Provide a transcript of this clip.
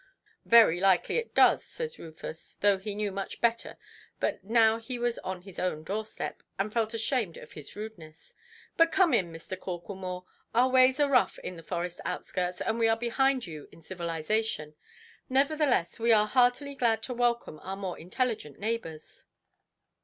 "Very likely it does", said Rufus, though he knew much better, but now he was on his own door–step, and felt ashamed of his rudeness; "but come in, Mr. Corklemore; our ways are rough in these forest outskirts, and we are behind you in civilization. Nevertheless, we are heartily glad to welcome our more intelligent neighbours".